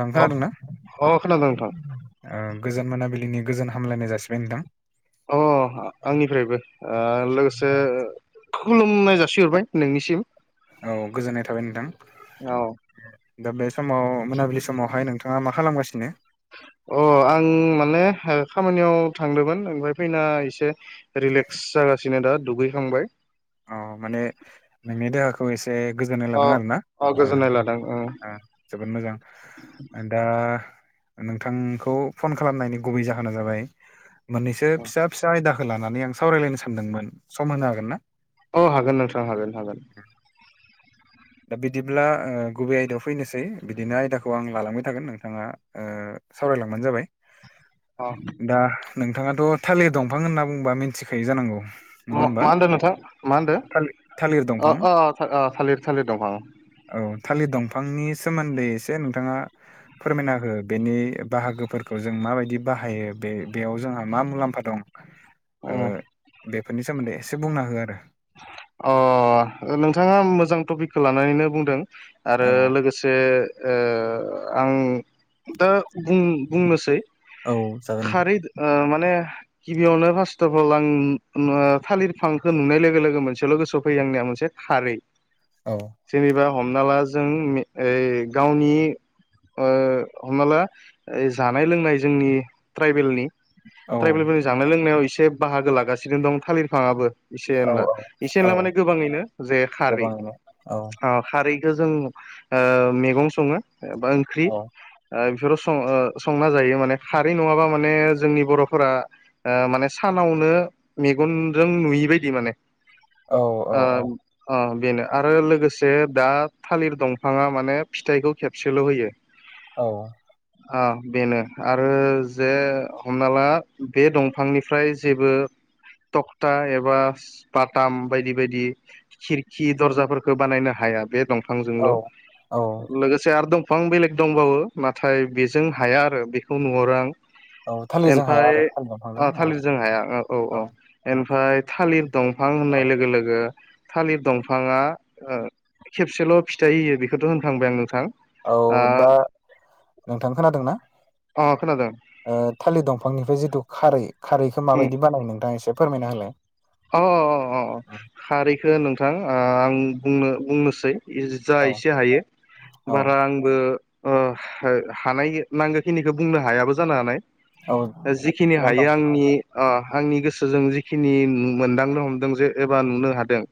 थां अ खोनादों ना? अ खोनादों नोंथां गोजोन मोनाबिलिनि गोजोन हामलायनाय जासिबाय नोंथां। औ औ अ आंनिफ्रायबो ओ लोगोसे खुलुमनाय जासिहरबाय नोंनिसिम औ गोजोननाय थाबाय औ नोंथां दा बे समाव मोनाबिलि समावहाय नोंथाङा मा खालामगासिनो अ आं माने खामानियाव थांदोंमोन ओमफ्राय फैना एसे रिलेक्स जागासिनो दा दुगैखांबाय औ माने नोंनि देहाखौ एसे गोजोननाय अ लादों आरो ना अ ओ गोजोननाय लादों ओं ओ जोबोद मोजां दा नोंथांखौ फन खालामनायनि गुबै जाहोना जाबाय मोननैसो फिसा फिसा आयदाखौ लानानै आं सावरायलायनो सानदोंमोन। सम होनो हागोन ना? अ हागोन नोंथां हागोन हागोन। दा बिदिब्ला गुबै आयदायाव फैनोसै बिदिनो आयदाखौ आं लालांबाय थागोन नोंथाङा ओ सावरायलांबानो जाबाय अ दा नोंथाङाथ' थालिर दंफां होनना बुंबा मिथिखायो जानांगौ। नङा उम होमबा मा होनदों नोंथां मा होनदों थालि थालिर दंफां अ अ थालिर थालिर दंफां औ थालिर दंफांनि सोमोन्दै एसे नोंथाङा फोरमायना हो बेनि बाहागोफोरखौ जों माबायदि बाहायो बे बेयाव जोंहा मा मुलाम्फा दं। ओ बेफोरनि सोमोन्दै एसे बुंना हो आरो नोंथाङा मोजां टपिकखौ लानानैनो बुंदों आरो औ लोगो से आं दा बुं बुंनोसै औ जागोन नोंथां खारै ओ माने गिबियावनो फार्स्टथफल आं उम ओ थालिर फांखौ नुनाय लो गो लोगो मोनसेल' गोसोआव फैयो आंनिया मोनसे थारै औ जेनेबा हमना ला जों गावनि ओ हमना ला जानाय लोंनाय जोंनि ट्राइबेलनि औ ट्राइबेलफोरनि जानाय लोंनायाव एसे बाहागो लागासिनो दं थालिरफाङाबो एसे औ एनला एसे औ एनला माने गोबाङैनो जे खारै गोबाङैनो औ खारैखौ जों मैगं सङो एबा ओंख्रि। औ ओ बेफोराव सं संना जायो माने खारै नङाबा माने जोंनि बर'फोरा ओ माने सानावनो मेगनजों नुयि बायदि माने औ औ ओ अ बेनो आरो लोगोसे दा थालिर दंफाङा माने फिथाइखौ खेबसेल' होयो। औ ओ बेनो आरो जे हमना ला बे दंफांनिफ्राय जेबो टकता एबा [unintelligible] बाटाम बायदि बायदि खिरखि दर्जाफोरखो बानायनो हाया बे दं औ आंजोंल' औ लोगोसे आरो दंफां बेलेग दंबावो नाथाय बेजों हाया आरो बेखौ नुहरा आं औ थालिरजों हाया एमफाय आरो थालिर दंफांजों ओ औ थालिरजों हाया औ औ एनफाय थालिर दंफां औ होननाय लोगो लोगो थालिर दंफाङा ओ खेबसेल' फिथाइ होयो बेखौथ' होनखांबाय आं नोंथां। औ दा अ नोंथां खोनादों ना? खोनादों थालिर दंफांनिफ्राय जिथु खारै खारैखौ माबायदि बानायो नोंथाङा एसे फोरमायना होलाय। अ अ अ खारैखो नोंथां ओ आं बुंनो बुंनोसै। जा औ एसे हायो औ बारा आंबो ओ हानाय नांगौ खिनिखौ बुंनो हायाबो जानो हानाय। औ जिखिनि थिगानो हायो दं औ आंनि अ आंनि गोसोजों जिखिनि मोनदांनो हमदों जे एबा नुनो हादों।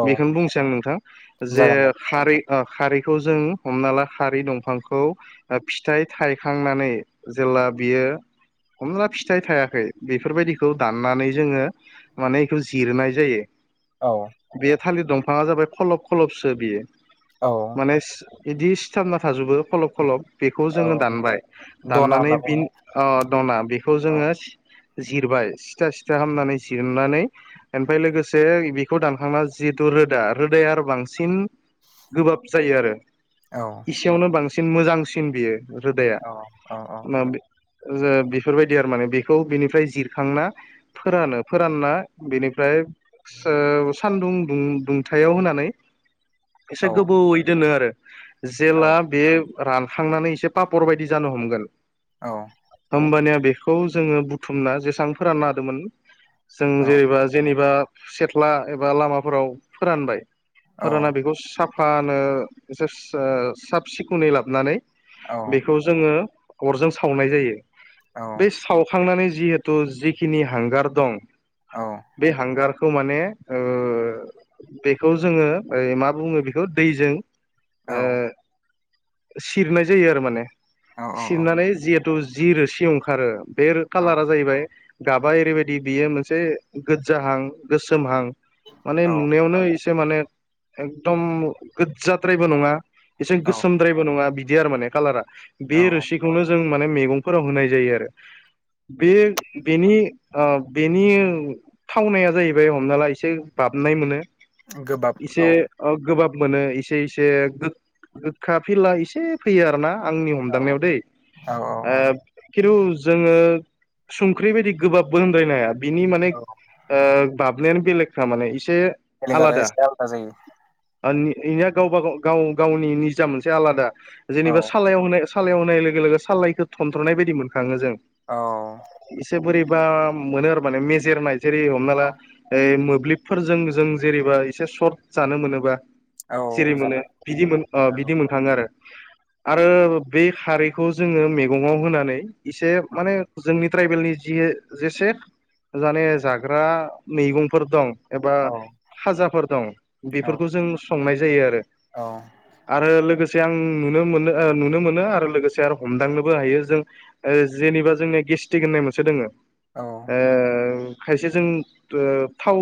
औ बिखोनो बुंसै आं नोंथां जे जागोन दे खारै ओ खारैखौ जों हमना ला खारै दंफांखौ फिथाइ थायखांनानै जेला बियो हमना ला फिथाइ थायाखै बेफोरबायदिखौ दाननानै जोङो माने इखौ जिरनाय जायो। औ बे थालिर दंफाङा जाबाय खलब खलबसो बियो औ माने इदि सिथाबना थाजोबो खलब खलब बेखौ औ जोङो दानबाय दना दाननानै होनना बि बुङो अ दना बेखौ औ जोङो जिरबाय सिथा सिथा खामनानै जिरनानै ओनफाय लोगोसे बेखौ दानखांना जिहेथु रोदा रोदाया आरो बांसिन गोबाब जायो आरो औ एसेयावनो बांसिन मोजांसिन बियो रोदाया औ औ औ माब बेफोरबायदि आरो माने बेखौ बेनिफ्राय जिरखांना फोरानो। फोरानना बेनिफ्राय ओ सानदुं दुं-दुंथायाव होनानै एसे औ गोबावयै दोनो आरो जेला बे रानखांनानै एसे पापर बायदि जानो हमगोन। औ होमबानिया बेखौ जोङो बुथुमना जेसां फोरानना हादोमोन जों औ जेनेबा जेनेबा सेथ्ला एबा लामाफोराव फोरानबाय फोरानना बेखौ साफानो एसे साब सिखोनै लाबोनानै औ बेखौ जोङो अरजों सावनाय जायो बे सावखांनानै जिहे तु जिखिनि हांगार दं‌ औ बे हांगारखौ माने बेखौ जोङो ओ मा बुङो बेखौ दैजों औ ओ सिरनाय जायो आरो माने सिरनानै जिहेथु जि रोसि ओंखारो बे कालारा जाहैबाय गाबा ओरैबायदि बियो मोनसे गोदजाहां गोसोमहां माने औ नुनायावनो एसे माने एकदम गोदजाद्रायबो नङा। एसे [unintelligible] नंङा बिदि आरो माने कालारा बे औ रोसिखौनो जों माने मैगंफोराव होनाय जायो आरो बे बेनि ओ बेनि थावनाया जाहैबाय हमना ला एसे बाबनाय मोनो गोबाब एसे औ गोबाब मोनो एसे इसे खाफिला एसे फैयो आरोना आंनि औ हमदांनायाव दै औ औ औ खिन्थु जोङो संख्रि बायदि गोबाबबो होनद्रायनाया बिनि माने औ बाबनायानो बेलेगखा माने एसे बेलेख आरो आलादा एसे आलदा जायो इनिया गावबा गाव गाव गावनि निजा मोनसे आलादा जेनेबा औ सालायाव होनाय सालायाव होनाय लोगो लोगो साल्लायखौ थनथ्र'नाय बायदि मोनखाङो जों औ एसे बोरैबा मोनो आरो माने मेजेरनाय जेरै हमना ला औ मोब्लिबफोरजों जों जेरेबा एसे सर्ट जानो मोनोबा सिरि औ मान जानो बिदि मोन जानो ओ हागौ बिदि मोनखाङो आरो औ आरो बे खारैखौ जोङो मैगङाव होनानै इसे औ माने जोंनि ट्राइबेलनि जि जेसे माने जाग्रा मैगंफोर दं एबा औ फाजाफोर दं औ बेफोरखौ जों संनाय जायो आरो औ आरो लोगोसे आं नुनो मोनो नुनो मोनो आरो लोगोसे आरो हमदांनोबो हायो जों जेनेबा जोंनिया गेस्टिक होननाय मोनसे दोंङो औ खायसे जों थाव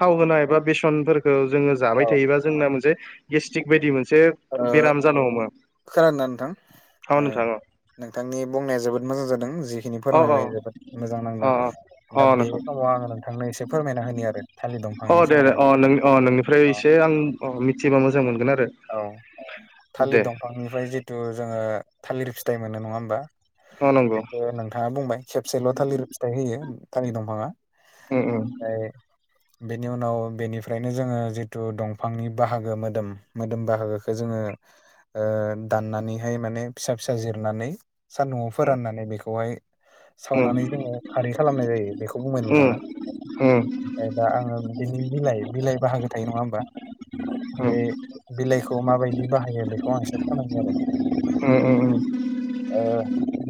थाव होनाय एबा बेसनफोरखौ जोङो औ जाबाय थायोबा जोंना मोनसे गेस्टिक बायदि मोनसे ओ बेराम जानो हमो खोनादोंना नोंथां अ ओ नोंथां अ नोंथांनि बुंनाया जोबोद मोजां जादों जिखिनि औ अ अ फोरमायबाय जोबोद मोजां अ नांदों अ दा बे नोंथां समाव आङो नोंथांनो एसे फोरमायना होनि आरो थालिद अ दंफांनि दे दे सोमोन्दै अ नों अ नोंनिफ्राय अ एसे आं अ मिथिबा मोजां मोनगोन आरो औ थालिर दे दंफांनिफ्राय जिथु जोङो थालिर फिथाइ मोनो नङा होमबा अ नंगौ बेखौ नोंथाङा बुंबाय खेबसेल' थालिर फिथाइ होयो थालिर दंफाङा उम उम ओमफ्राय बेनि उनाव बेनिफ्रायनो जोङो जिथु दंफांनि बाहागो मोदोम मोदोम बाहागोखौ जोङो दाननानैहाय माने फिसा फिसा जिरनानै सान्दुंआव फोराननानै बेखौहाय उम सावनानै जोङो खारै खालामनाय जायो बेखौ बुंबाय उम नोंथाङा उम ओमफ्राय दा आङो बिनि बिलाइ बिलाइ बाहागो थायो नङा होमबा उम बे बिलाइखौ माबायदि बाहायो बेखौ आं एसे फोरमायनि आरो उम उम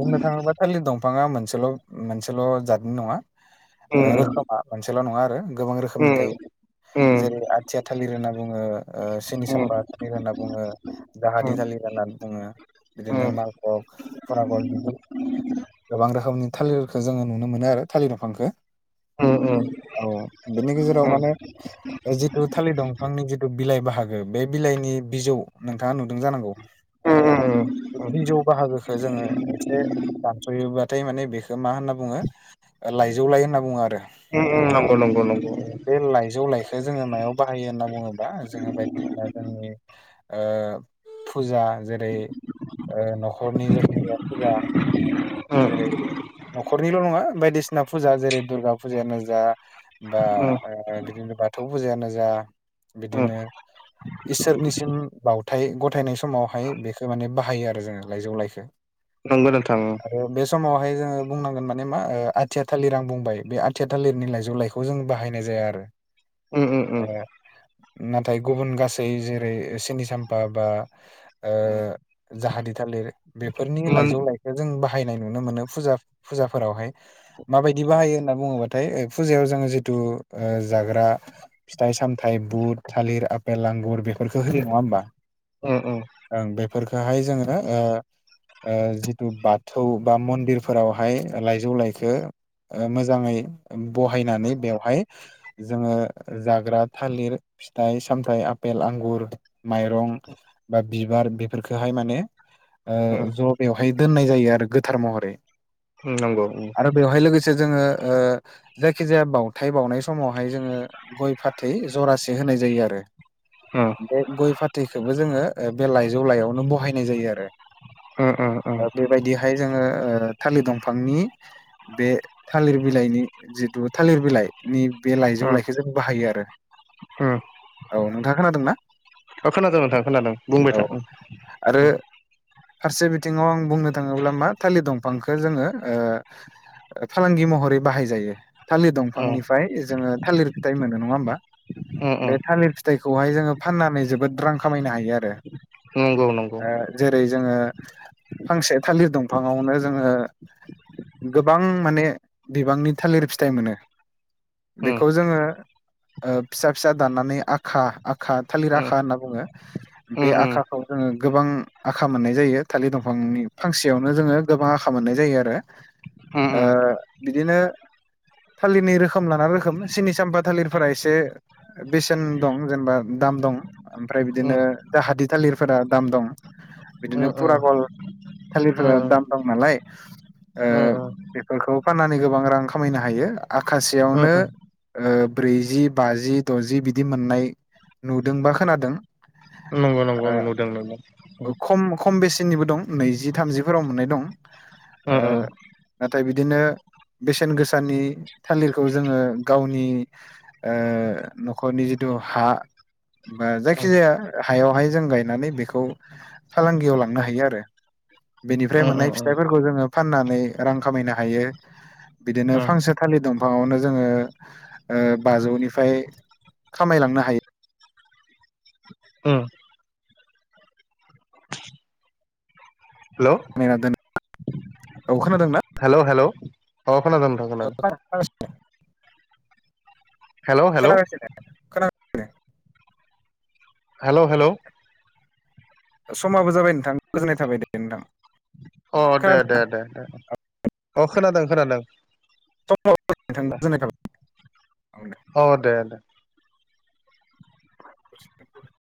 बुंनो थाङोबा थालिद दंफाङा मोनसेल' मोनसेल' जादनि नंङा उम उम रोखोमा मोनसेल' नङा आरो गोबां रोखोमनि थायो जेरै आथिया थालिर होनना बुङो सैनि साम्पा थालिर होनना बुंङो जाहादि दालि होननानै बुङो बिदिनो मालभक फोरागल बिदि गोबां रोखोमनि थालिरखौ जोङो नुनो मोनो आरो थालिर दंफांखो औ बिनि गेजेराव माने जिथु थालिर दंफांनि जिथु बिलाइ बाहागो बे बिलाइनि बिजौ न नोंथाङा नुदों जानांगौ उम उम बे उम बिजौ बाहागोखौ जोङो एसे दानस'योबाथाय माने बेखौ मा होनना बुङो लाइजौ लाय होनना बुङो आरो नंगौ नंगौ नंगौ बे लाइजौ लाइखो जोङो मायाव बाहायो होनना बुङोबा जोङो बायदिसिना जोंनि फुजा जेरै न'खरनि जायखिजाया फुजा उम जेरै न'खरनिल' नङा बायदिसिना फुजा जेरै दुर्गा फुजायानो जा बा उम बिदिनो बाथौ बाथौ फुजायानो जा उम बिदिनो इसोरनिसिम बावथाय गथायनाय समावहाय बेखौ माने बाहायो आरो जोङो लाइजौ लाइखौो नंगौ नोंथां आरो बे समावहाय जोङो बुंनांगोन मान मा आथिया थालिर आं बुंबाय बे आथिया थालिरनि लाइजौ लाइखौ खौ जों बाहायनाय जाया आरो उम उम उम नाथाय गुबुन गासै जेरै सिनि साम्फा बा जाहादि थालिर बेफोरनि मोन लाइजौ लाइ जों बाहायनाय नुनो मोनो फुजाफोरावहाय माबायदि बाहायो होनना बुङोबा नाथाय फुजायाव जोङो जिथु जाग्रा फिथाइ सामथायाइ बुट थालिर आफपेल आंगुर बेफोरखौ होयो नङा होनोमबा [unintelligible] ओं बेफोरखौहाय जोङो जिथु बाथौ बा मन्दिरफोरावहाय लाइजौ लाइखो मोजाङै बहायनानै बेवहाय जोङो जाग्रा थालिर फिथाइ सामथायाइ आफेल आंगुर माइरं बा बिबार बेफोरखौहाय माने ज' बेवहाय दोननाय जायो आरो गोथार महरै नांगौ बेयावहाय लोगोसे जोङो जायखि जाया बाथाय बावनाय समावहाय जोङो गय फ थै जरासे होनाय जायो आरो [unintelligible] बे गय फाथैखौबो जोङो बे लाइजौ लायावनो बहायनाय जायो आरो उम उम उम ओ बेबायदिहाय जोङो थालिर दंफांनि बे थालिर बिलाइनि जिथु थालिर बिलाइ नि बे लाइजौ लाइखो जों बाहायो आरो उम औ नोंथाङा खोनादोंना खोनादों नोंथां खोनादों बुंबाय औ था आरो उम फारसे बिथिङाव आं बुंनो थाङोब्ला मा थालिर दंफांखौ जोङो फालांगि महरै बाहायजायो थालिर उम दंफांनिफ्राय जोङो थालिर फिथाइ मोनो नङा होमबा उम बे उम थालिर फिथ फिथाइखौहाय जोङो फाननानै जोबोद रां खामायनो हायो आरो नंगौ नंगौ जेरै जोङो फांसे थालिर दंफाङावनो जोङो गोबां माने बिबांनि थालिर फिथाइ मोनो उम बेखौ जोङो फिसा फिसा दाननानै आखा आखा थालिर उम आखा होनना बुङो बे उम आखाखौ जोङो गोबां आखा मोननाय जायो थालिर दंफांनि फांसेयावनो जोङो गोबां आखा मोननाय जायो आरो उम बिदिनो थालिरनि रोखोम लाना रोखोम सिनि साम्फा थालिरफोरा एसे बेसेन दं जेनेबा दाम दं ओमफ्राय उम बिदिनो द हादिर थालिरफोरा दाम दं बिदिनो उम उम पुरागल थालिरफोरा दाम दं नालाय ओ उम उम बेफोरखौ फाननानै गोबां रां खामायनो हायो उम आखाासेयावनो। उम ओ ब्रैजि बाजि दजि बिदि मोननाय नुदोंबा खोनादों। नंगौ नंगौ नुदों नंगौ। खम खम बेसेनिबो दं नैजि थामजिफोराव मोननाय दं। ओ ओ नाथाय बिदिनो बेसेन गोसानि थालिरखौ जोङो गावनि। ओ न'खरनि जिथु हा बा जाय उम जायखिजाया हायावहाय जों गायनानै बेखौ फालांगियाव लांनो हायो आरो। बेनिफ्राय उम मोननाय उम फिथाइफोरखौ जोङो फाननानै रां खामायनो हायो बिदिनो उम फांसे थालिर दंफाङावनो जोङो ओ बाजौनिफ्राय खामायलांनो हायो उम हेलौ नायना दोन [unintelligible] औ खादोंना। हेलौ हेलौ औ खोनादों नोंथां खोना [unintelligible] हेलौ हेलौ खोनागासिनो खोना हेलौ हेलौ समाबो जाबाय नोंथां गोजोननाय थाबाय दे नोंथां। अ खोना दे दे दे दे अ खोनादों खोनादों। [unintelligible] थाबाय। अ दे दे [inaudible]